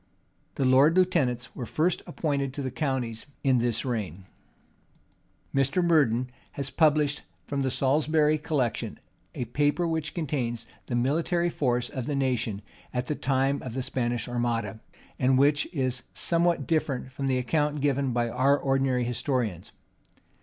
The lord lieutenants were first appointed to the counties in this reign. Mr. Murden[] has published, from the Salisbury collections, a paper which contains the military force of the nation at the time of the Spanish armada, and which is somewhat different from the account given by our ordinary historians.